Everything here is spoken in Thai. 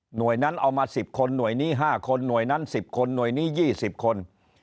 นั้นเอามา๑๐คนหน่วยนี้๕คนหน่วยนั้น๑๐คนหน่วยนี้๒๐คน